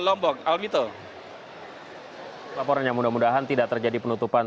tapi kalau terjadi penutupan apakah itu akan menjadi penutupan